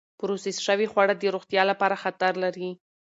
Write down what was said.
پروسس شوې خواړه د روغتیا لپاره خطر لري.